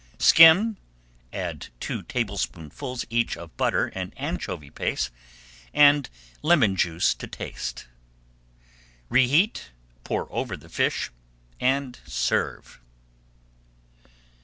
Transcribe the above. Skim, add two tablespoonfuls each of butter and anchovy paste, and lemon juice to taste. Reheat, pour over the fish, and serve.